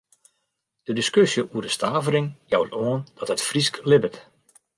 De diskusje oer de stavering jout oan dat it Frysk libbet.